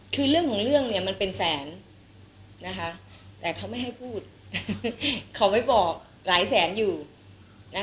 คือเรื่องของเรื่องเนี่ยมันเป็นแสนนะคะแต่เขาไม่ให้พูดเขาไม่บอกหลายแสนอยู่นะ